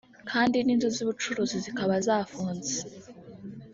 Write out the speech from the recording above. kandi n’inzu z’ubucuruzi zikaba zafunze